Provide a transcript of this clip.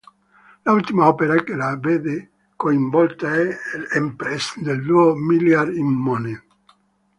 L'ultima opera che la vede coinvolta è "Empress" del duo Millar-Immonen.